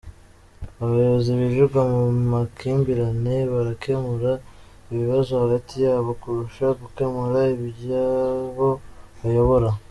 Abayobozi birirwa mu makimbirane, bakemura ibibazo hagati yabo kurusha gukemura iby’abo bayobora.”